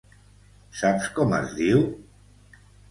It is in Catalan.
Saps com es diu?